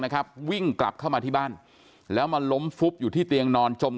นะครับวิ่งกลับเข้ามาที่บ้านแล้วมาล้มฟุบอยู่ที่เตียงนอนจม